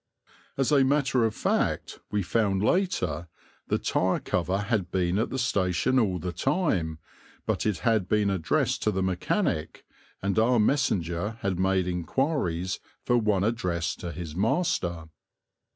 As a matter of fact, we found later, the tire cover had been at the station all the time, but it had been addressed to the mechanic, and our messenger had made inquiries for one addressed to his master.